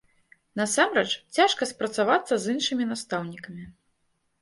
Насамрэч, цяжка спрацавацца з іншымі настаўнікамі.